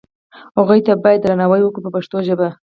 هغو ته باید درناوی وکړي په پښتو ژبه.